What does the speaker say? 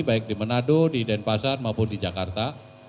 baik di manado di denpasar maupun di jakarta